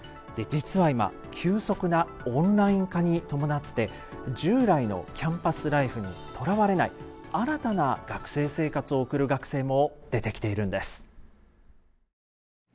実は今急速なオンライン化に伴って従来のキャンパスライフにとらわれない新たな学生生活を送る学生も出てきているんです。